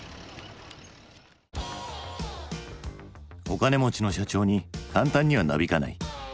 お金持ちの社長に簡単にはなびかない。